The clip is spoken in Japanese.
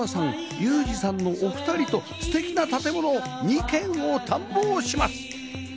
ユージさんのお二人と素敵な建物２軒を探訪します